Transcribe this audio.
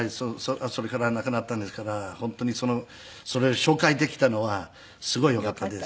それから亡くなったんですから本当にそれを紹介できたのはすごいよかったです。